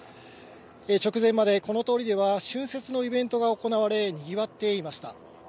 直前までこの通りでは春節のイベントが行われ、にぎわっていました。